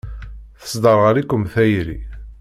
Tesderɣel-ikem tayri.